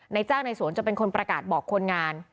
จ้างในสวนจะเป็นคนประกาศบอกคนงาน